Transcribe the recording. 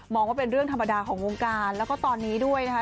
ว่าเป็นเรื่องธรรมดาของวงการแล้วก็ตอนนี้ด้วยนะคะ